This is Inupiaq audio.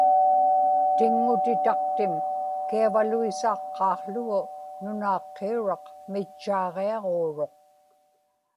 tiŋŋutitaqtim kiavaluisaaqqaaqługu nunaaqqiuraq mitchaaġiaġuuruq